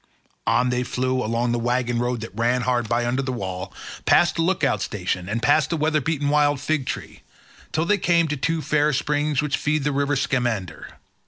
On they flew along the waggon road that ran hard by under the wall, past the look out station, and past the weather beaten wild fig tree, till they came to two fair springs which feed the river Scamander.